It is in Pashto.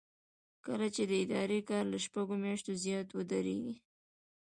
کله چې د ادارې کار له شپږو میاشتو زیات ودریږي.